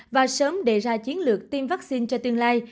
và sớm đề ra chiến lược tiêm vaccine cho tương lai